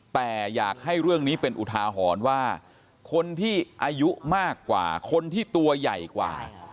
แต่อยากให้เรื่องนี้เป็นอุทาหรณ์ว่าคนที่อายุมากกว่าคนที่ตัวใหญ่กว่า